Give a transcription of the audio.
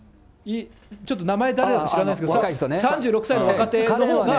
ちょっと名前、誰だか知らないですけど、３６歳の若手の方が。